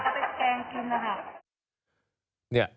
เขาก็ไปกายกินนะคะ